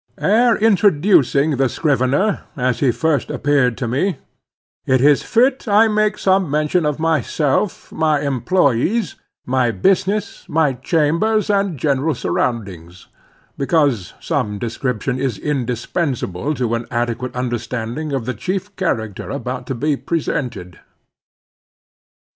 Ere introducing the scrivener, as he first appeared to me, it is fit I make some mention of myself, my employés, my business, my chambers, and general surroundings; because some such description is indispensable to an adequate understanding of the chief character about to be presented.